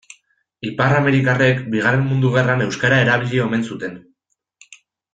Ipar-amerikarrek Bigarren Mundu Gerran euskara erabili omen zuten.